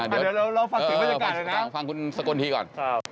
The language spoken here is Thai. เดี๋ยวเราฟังเสียงบรรยากาศเลยนะฟังคุณสกลทีก่อน